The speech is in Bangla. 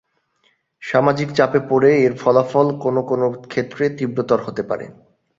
সামাজিক চাপে পড়ে এর ফলাফল কোন কোন ক্ষেত্রে তীব্র হতে পারে।